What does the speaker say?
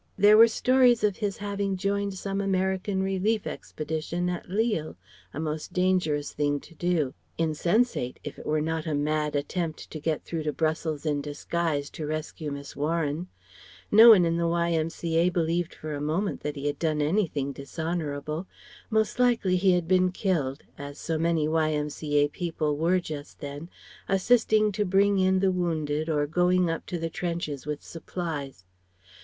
There were stories of his having joined some American Relief Expedition at Lille a most dangerous thing to do; insensate, if it were not a mad attempt to get through to Brussels in disguise to rescue Miss Warren. No one in the Y.M.C.A. believed for a moment that he had done anything dishonourable. Most likely he had been killed as so many Y.M.C.A. people were just then, assisting to bring in the wounded or going up to the trenches with supplies.